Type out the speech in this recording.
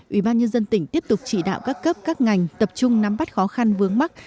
ủy ban nhân dân tỉnh tiếp tục chỉ đạo các cấp các ngành tập trung nắm bắt khó khăn vướng mắt